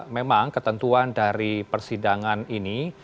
memang ketentuan dari persidangan ini